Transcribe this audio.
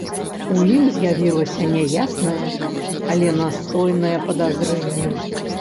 У ім з'явілася няяснае, але настойнае падазрэнне.